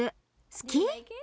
好き？